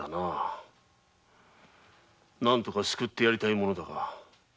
何とか救ってやりたいものだ。